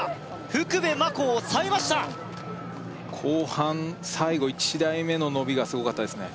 福部真子を抑えました後半最後１台目の伸びがすごかったですね